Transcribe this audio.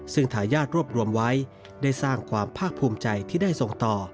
ซึ่งทายาทรวบรวมไว้ได้สร้างความภาคภูมิใจที่ได้ส่งต่อ